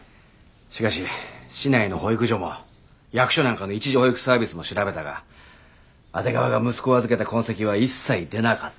しかし市内の保育所も役所なんかの一時保育サービスも調べたが阿出川が息子を預けた痕跡は一切出なかった。